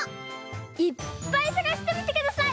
いっぱいさがしてみてください。